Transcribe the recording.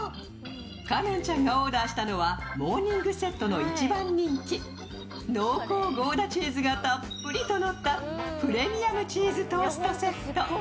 香音ちゃんがオーダーしたのはモーニングセットの一番人気濃厚ゴーダチーズがたっぷりとのったプレミアムチーズトーストセット。